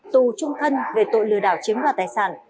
tù trung thân về tội lừa đảo chiếm đoạt tài sản